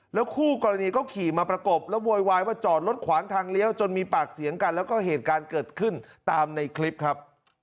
คู่กรณีก็ขี่มาประกบแล้วโวยวายว่าจอดรถขวางทางเลี้ยวจนมีปากเสียงกันแล้วก็เหตุการณ์เกิดขึ้นตามในคลิปครับ